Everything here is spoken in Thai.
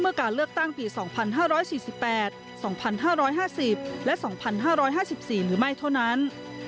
การเลือกตั้งปี๒๕๔๘๒๕๕๐และ๒๕๕๔หรือไม่เท่านั้น